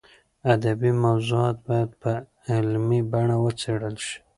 ادبي موضوعات باید په علمي بڼه وڅېړل شي.